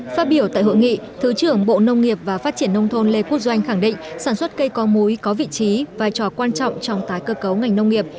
phát biểu tại hội nghị thứ trưởng bộ nông nghiệp và phát triển nông thôn lê quốc doanh khẳng định sản xuất cây có múi có vị trí vai trò quan trọng trong tái cơ cấu ngành nông nghiệp